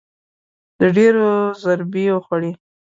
ډېرو ضربې وخوړې